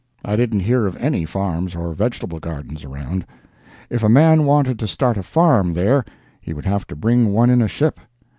I didn't hear of any farms or vegetable gardens around. If a man wanted to start a farm there, he would have to bring one in a ship.